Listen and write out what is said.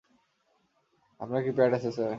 আপনার কি প্যাড আছে স্যার?